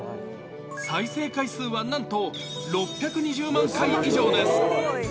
再生回数はなんと６２０万回以上です。